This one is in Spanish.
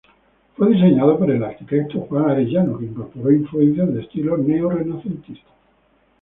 Fue diseñado por el arquitecto Juan Arellano, que incorporó influencias de estilo neo-renacentista.